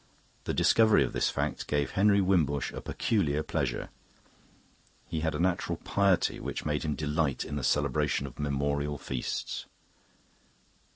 The discovery of this fact gave Henry Wimbush a peculiar pleasure. He had a natural piety which made him delight in the celebration of memorial feasts.